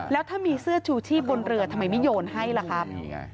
แล้วถ้ามีเสื้อชูชีพบนเรือทำไมไม่โยนให้ล่ะครับ